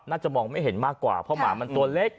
น่าจะมองไม่เห็นมากกว่าเพราะหมามันตัวเล็ก